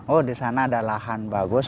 oh di sana ada lahan bagus